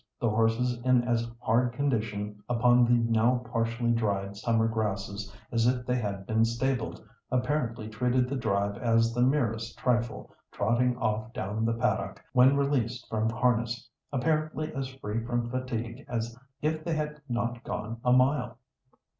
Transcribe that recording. The horses in as hard condition upon the now partially dried summer grasses as if they had been stabled, apparently treated the drive as the merest trifle, trotting off down the paddock, when released from harness, apparently as free from fatigue as if they had not gone a mile.